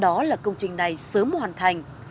đó là công trình này sớm hoàn thành